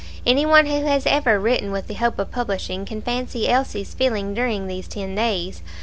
Any one who has ever written with the hope of publishing can fancy Elsie's feeling during these ten days.